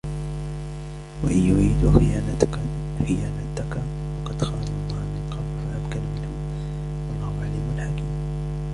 وَإِنْ يُرِيدُوا خِيَانَتَكَ فَقَدْ خَانُوا اللَّهَ مِنْ قَبْلُ فَأَمْكَنَ مِنْهُمْ وَاللَّهُ عَلِيمٌ حَكِيمٌ